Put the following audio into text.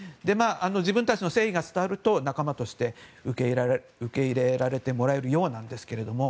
自分たちの誠意が伝わると仲間として受け入れられてもらえるようなんですけれども。